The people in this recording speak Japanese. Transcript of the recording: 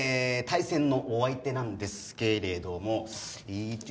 対戦のお相手なんですけれども。